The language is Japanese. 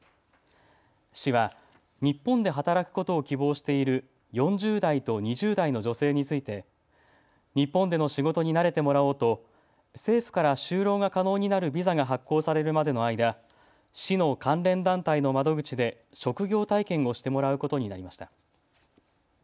市は、日本で働くことを希望している４０代と２０代の女性について日本での仕事に慣れてもらおうと政府から就労が可能になるビザが発行されるまでの間、市の関連団体の窓口で職業体験をしてもらうことになりました。